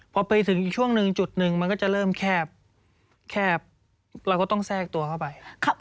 พอไปถึงอีกช่วงหนึ่งจุดหนึ่งมันก็จะเริ่มแคบแคบเราก็ต้องแทรกตัวเข้าไป